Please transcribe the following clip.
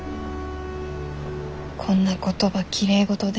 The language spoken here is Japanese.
こんな言葉きれいごとで。